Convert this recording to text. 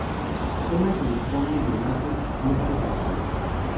Apenas se dispone de datos ciertos de su vida.